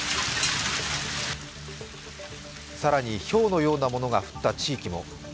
更に、ひょうのようなものが降った地域も。